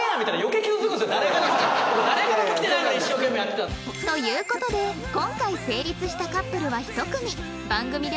という事で今回成立したカップルは１組